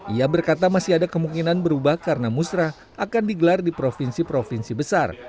ia berkata masih ada kemungkinan berubah karena musrah akan digelar di provinsi provinsi besar